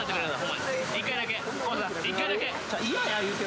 一回だけ。